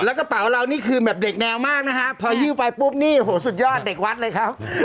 แล้วกระเป๋าเรานี่คือแบบเด็กแนวมากนะฮะพอหิ้วไปปุ๊บนี่โหสุดยอดเด็กวัดเลยครับ